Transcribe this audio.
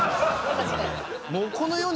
確かに。